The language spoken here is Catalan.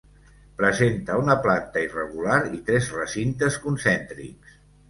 Presenta una planta irregular i tres recintes concèntrics.